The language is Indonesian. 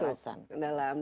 itu masuk dalam